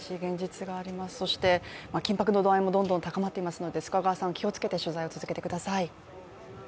緊迫の度合いも高まっていますので気をつけて取材を続けてください。